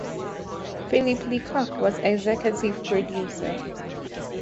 Philip Leacock was executive producer.